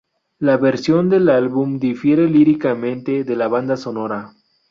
La versión del álbum difiere líricamente de la banda sonora.